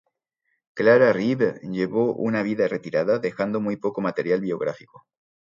Clara Reeve llevó una vida retirada, dejando muy poco material biográfico.